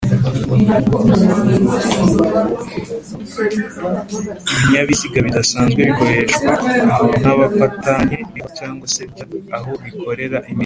ibinyabiziga bidasanzwe bikoreshwa n’abapatanye biva cg se bijya aho bikorera imirimo